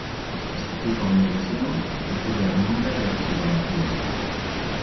Este tipo de impresión recibe el nombre de xilografía.